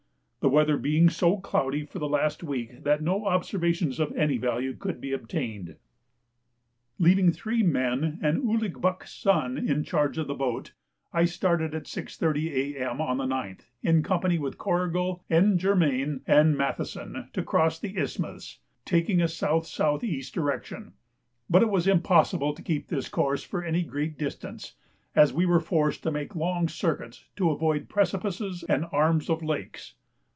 The weather had been so cloudy for the last week that no observations of any value could be obtained. Leaving three men and Ouligbuck's son in charge of the boat, I started at 6.30 A.M. on the 9th, in company with Corrigal, N. Germain, and Matheson, to cross the isthmus, taking a S.S.E. direction; but it was impossible to keep this course for any great distance, as we were forced to make long circuits to avoid precipices and arms of lakes.